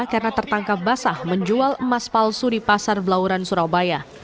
karena tertangkap basah menjual emas palsu di pasar belauran surabaya